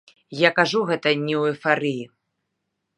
Я кажу гэта не ў эйфарыі.